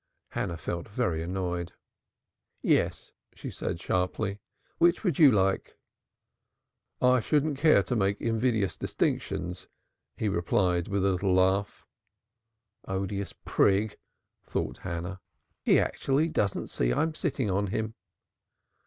Hannah felt very annoyed. "Yes," she said, sharply, "which would you like?" "I shouldn't care to make invidious distinctions," he replied with a little laugh. "Odious prig!" thought Hannah. "He actually doesn't see I'm sitting on him!"